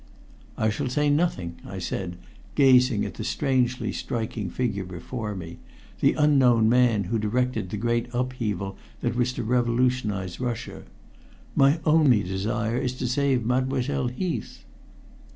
"I shall say nothing," I said, gazing at the strangely striking figure before me the unknown man who directed the great upheaval that was to revolutionize Russia. "My only desire is to save Mademoiselle Heath."